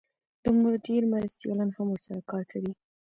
د مدیر مرستیالان هم ورسره کار کوي.